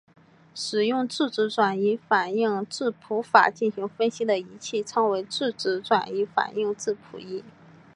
使用质子转移反应质谱法进行分析的仪器称为质子转移反应质谱仪。